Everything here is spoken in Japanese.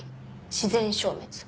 自然消滅。